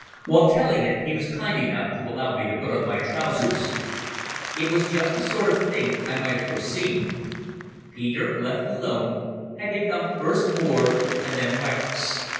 While telling it he was kind enough to allow me to put on my trousers. It was just the sort of thing I might have foreseen. Peter, left alone, had become first bored and then reckless.